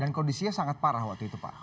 dan kondisinya sangat parah waktu itu pak